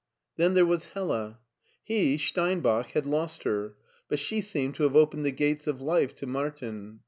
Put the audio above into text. Then there was Hella, He, Steinbach, had lost her, but she seemed to have opened the gates of life to Martin.